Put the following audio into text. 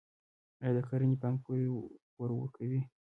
آیا د کرنې بانک پور ورکوي؟